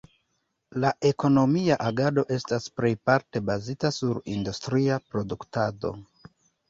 La ekonomia agado estas plejparte bazita sur industria produktado.